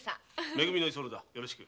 め組の居候だよろしく。